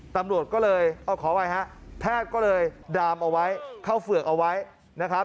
ตำรวจก็เลยขออภัยฮะแพทย์ก็เลยดามเอาไว้เข้าเฝือกเอาไว้นะครับ